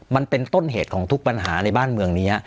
มันเป็นต้นเหตุของทุกปัญหาในบ้านเมืองนี้